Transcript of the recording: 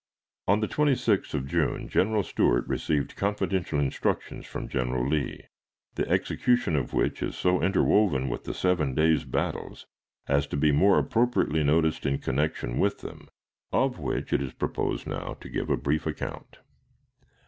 On the 26th of June General Stuart received confidential instructions from General Lee, the execution of which is so interwoven with the seven days' battles as to be more appropriately noticed in connection with them, of which it is proposed now to give a brief account.